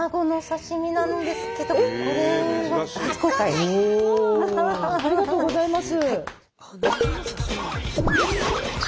ではありがとうございます！